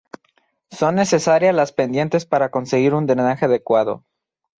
Son necesarias las pendientes para conseguir un drenaje adecuado.